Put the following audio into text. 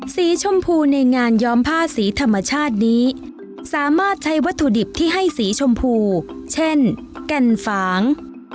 สีชมพูในงานย้อมผ้าสีธรรมชาตินี้สามารถใช้วัตถุดิบที่ให้สีชมพูเช่นแก่นฝาง